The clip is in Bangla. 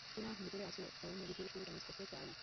টিনা ভিতরে আছে, ও মুভিটির শুরুটা মিস করতে চায় না।